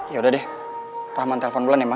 ya udah deh rahman telepon bulan ya ma